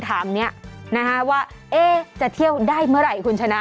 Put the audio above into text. สวัสดีคุณชิสานะฮะสวัสดีคุณชิสานะฮะ